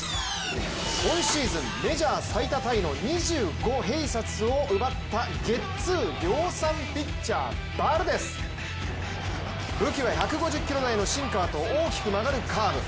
今シーズン、メジャー最多タイの２５併殺を奪ったゲッツー量産ピッチャー・バルデス武器は１５０キロ台のシンカーと大きく曲がるカーブ。